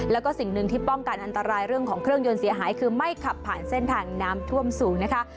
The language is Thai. แล้วก็สิ่งหนึ่งที่ป้องกันอันตรายเรื่องของเครื่องยนต์เสียหายคือไม่ขับผ่านเส้นทางน้ำท่วมสูงนะคะ